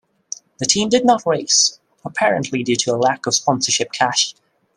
The team did not race, apparently due to a lack of sponsorship cash.